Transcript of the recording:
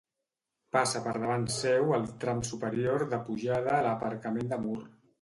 Passa per davant seu el tram superior de pujada a l'aparcament de Mur.